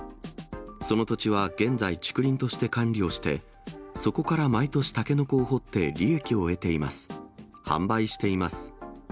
その土地は現在、竹林として管理をして、そこから毎年タケノコを掘って、利益を得ています。